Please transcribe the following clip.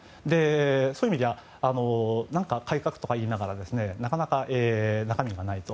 そういう意味では改革とか言いながらなかなか中身がないと。